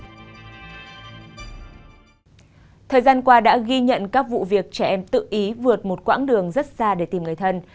thời gian qua đã ghi nhận các vụ việc trẻ em tự ý vượt một quãng đường rất xa để tìm người thân